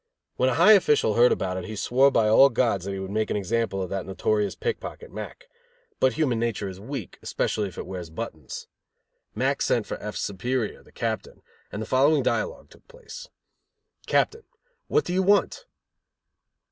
When a high official heard about it he swore by all the gods that he would make an example of that notorious pickpocket, Mack; but human nature is weak, especially if it wears buttons. Mack sent for F 's superior, the captain, and the following dialogue took place: Captain: What do you want?